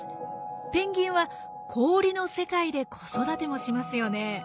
ペンギンは氷の世界で子育てもしますよね。